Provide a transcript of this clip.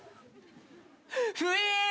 ウイーン！